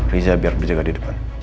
riza biar berjaga di depan